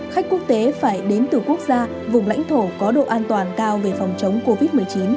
khách quốc tế phải đến từ quốc gia vùng lãnh thổ có độ an toàn cao về phòng chống covid một mươi chín